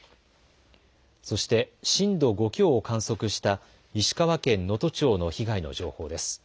そして震度５強を観測した石川県能登町の被害の情報です。